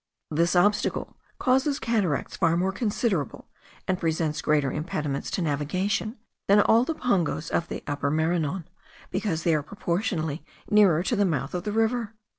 This obstacle causes cataracts far more considerable, and presents greater impediments to navigation, than all the Pongos of the Upper Maranon, because they are proportionally nearer to the mouth of the river.